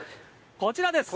こちらです。